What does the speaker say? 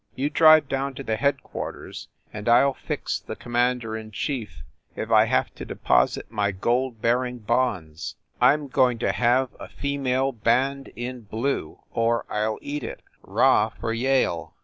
You drive down to the headquarters and I ll fix the commander in chief if I have to de posit my gold bearing bonds! I m going to have a female band in blue, or I ll eat it! Rah for Yale!"